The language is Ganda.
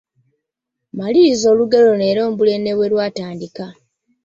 Maliriza olugero luno era ombuulire ne bwe lwatandika.